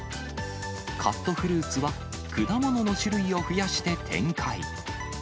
カットフルーツは、果物の種類を増やして展開。